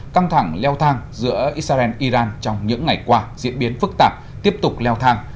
căng thẳng leo thang giữa israel iran trong những ngày qua diễn biến phức tạp tiếp tục leo thang